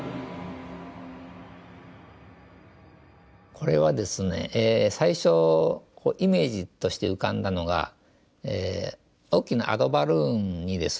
これはですね最初イメージとして浮かんだのが大きなアドバルーンにですね